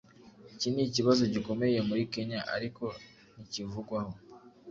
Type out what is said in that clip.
iki ni ikibazo gikomeye muri kenya ariko ntikivugwaho